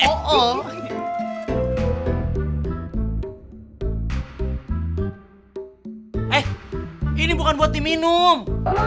eh ini bukan buat diminum